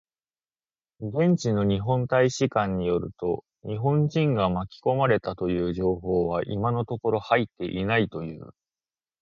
現地の日本大使館によると、日本人が巻き込まれたという情報は今のところ入っていないという。